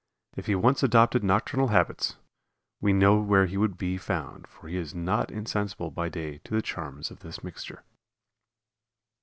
If he once adopted nocturnal habits we know where he would be found, for he is not insensible by day to the charms of this mixture.